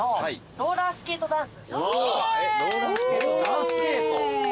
ローラースケートダンス？